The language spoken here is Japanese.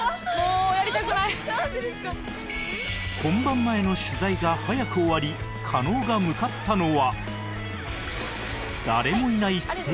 本番前の取材が早く終わり加納が向かったのは